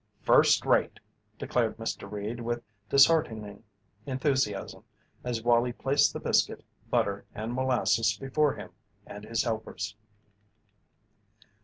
"First rate!" declared Mr. Reed with disheartening enthusiasm as Wallie placed the biscuit, butter, and molasses before him and his helpers.